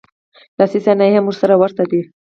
لاسي صنایع یې هم سره ورته دي